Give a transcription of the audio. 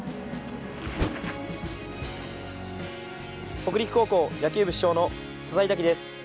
北陸高校野球部主将の笹井多輝です。